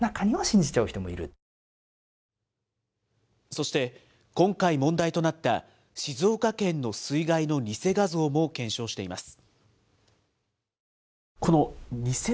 そして、今回問題となった静岡県の水害の偽画像も検証しています。